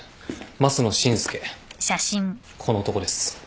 この男です。